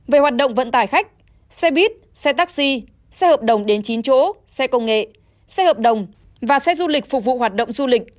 về hoạt động vận tải khách xe buýt xe taxi xe hợp đồng đến chín chỗ xe công nghệ xe hợp đồng và xe du lịch phục vụ hoạt động du lịch